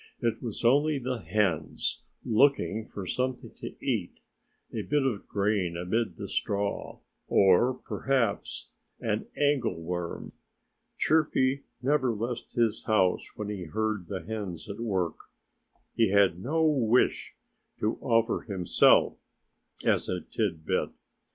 It was only the hens looking for something to eat a bit of grain amid the straw, or perhaps an angleworm. Chirpy never left his house when he heard the hens at work. He had no wish to offer himself as a tidbit.